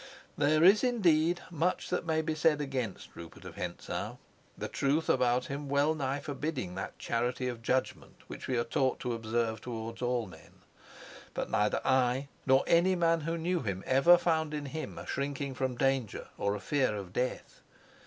There is, indeed, much that may be said against Rupert of Hentzau, the truth about him well nigh forbidding that charity of judgment which we are taught to observe towards all men. But neither I nor any man who knew him ever found in him a shrinking from danger or a fear of death.